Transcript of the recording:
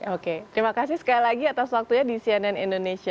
oke terima kasih sekali lagi atas waktunya di cnn indonesia